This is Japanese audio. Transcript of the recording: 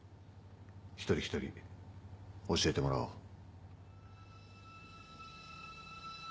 一人一人教えてもらおう。